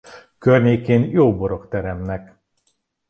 Környékén jó borok teremnek.